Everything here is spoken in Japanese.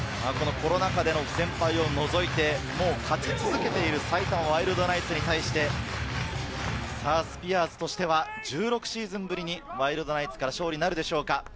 コロナ禍での不戦敗をのぞいて、勝ち続けている埼玉ワイルドナイツに対して、スピアーズとしては１６シーズンぶりにワイルドナイツから勝利となるでしょうか？